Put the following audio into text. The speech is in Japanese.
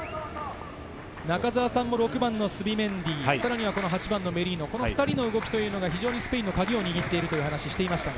中澤さんもスビメンディ、メリノ、この２人の動きがスペインのカギを握っているという話をしていました。